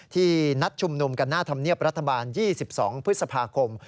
ที่นัดชุมนุมกันหน้าธรรมเนียบรัฐบาล๒๒พฤษภาคม